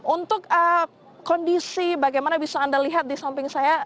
untuk kondisi bagaimana bisa anda lihat di samping saya